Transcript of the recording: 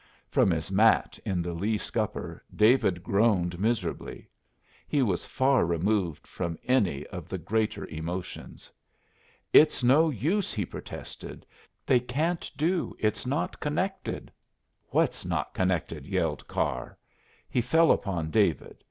From his mat in the lee scupper David groaned miserably. He was far removed from any of the greater emotions. "It's no use!" he protested. "They can't do! It's not connected!" "What's not connected?" yelled Carr. He fell upon David.